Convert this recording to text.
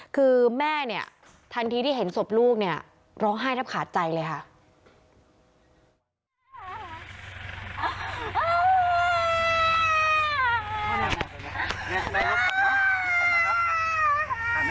คือแม่เนี่ยทันทีที่เห็นศพลูกเนี่ยร้องไห้แทบขาดใจเลยค่ะ